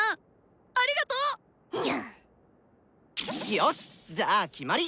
よっしじゃあ決まり！